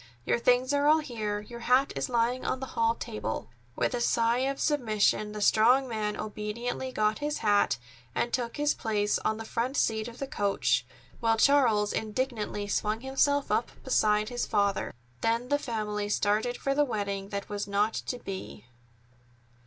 Your things are all here. Your hat is lying on the hall table." With a sigh of submission, the strong man obediently got his hat and took his place on the front seat of the coach, while Charles indignantly swung himself up beside his father. Then the family started for the wedding that was not to be.